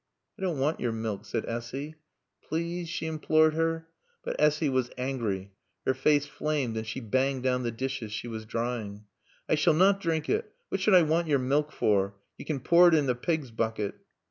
"I don't want your milk," said Essy. "Please " she implored her. But Essy was angry. Her face flamed and she banged down the dishes she was drying. "I sail not drink it. What should I want your milk for? You can pour it in t' pig's bucket."